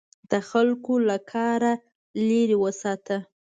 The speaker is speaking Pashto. د خلکو له کاره لیرې وساته.